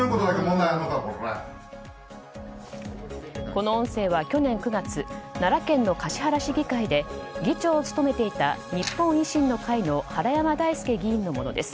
この音声は去年９月奈良県の橿原市議会で議長を務めていた日本維新の会の原山大亮議員のものです。